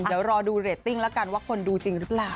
เดี๋ยวรอดูเรตติ้งแล้วกันว่าคนดูจริงหรือเปล่า